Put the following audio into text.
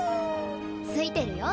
ついてるよ。